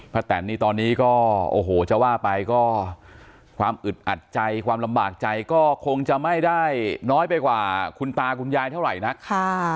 แตนนี่ตอนนี้ก็โอ้โหจะว่าไปก็ความอึดอัดใจความลำบากใจก็คงจะไม่ได้น้อยไปกว่าคุณตาคุณยายเท่าไหร่นักค่ะ